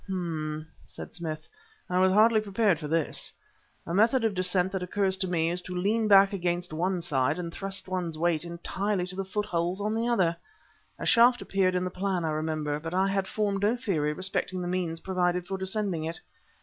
"H'm!" said Smith "I was hardly prepared for this. The method of descent that occurs to me is to lean back against one side and trust one's weight entirely to the foot holes on the other. A shaft appeared in the plan, I remember, but I had formed no theory respecting the means provided for descending it.